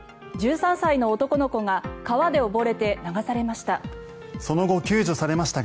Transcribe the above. １３歳の男の子が川で溺れて流されました。